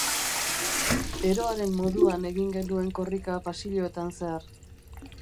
Eroaren moduan egin genuen korrika pasilloetan zehar.